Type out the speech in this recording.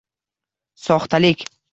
Soxtalik.